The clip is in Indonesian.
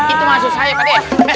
itu maksud saya pak d